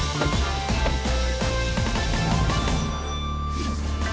ขึ้นรถค่ะ